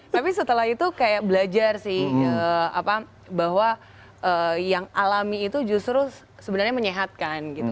tapi setelah itu kayak belajar sih bahwa yang alami itu justru sebenarnya menyehatkan gitu